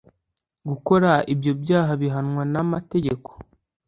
gukora ibyo byaha bihanwa nama tegeko